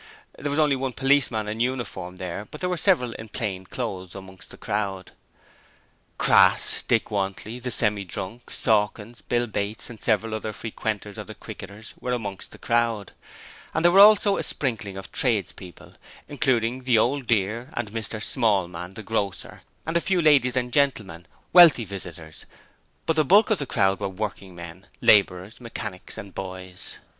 There was only one policeman in uniform there but there were several in plain clothes amongst the crowd. Crass, Dick Wantley, the Semi drunk, Sawkins, Bill Bates and several other frequenters of the Cricketers were amongst the crowd, and there were also a sprinkling of tradespeople, including the Old Dear and Mr Smallman, the grocer, and a few ladies and gentlemen wealthy visitors but the bulk of the crowd were working men, labourers, mechanics and boys.